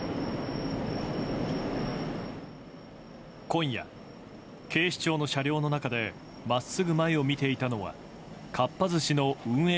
今夜、警視庁の車両の中で真っすぐ前を見ていたのはかっぱ寿司の運営